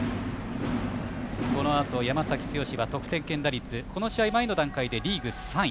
このあと山崎剛は得点圏打率、この試合前の段階でリーグ３位。